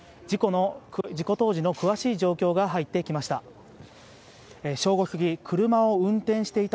事故当時の詳しい状況が入ってきました。